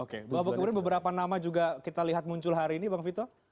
bahwa kemudian beberapa nama juga kita lihat muncul hari ini bang vito